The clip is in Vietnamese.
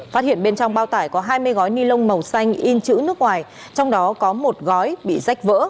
phát hiện bên trong bao tải có hai mươi gói ni lông màu xanh in chữ nước ngoài trong đó có một gói bị rách vỡ